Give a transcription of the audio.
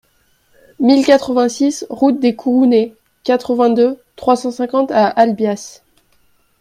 mille quatre-vingt-six route des Courounets, quatre-vingt-deux, trois cent cinquante à Albias